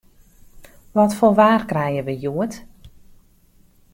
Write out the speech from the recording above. Wat foar waar krije we hjoed?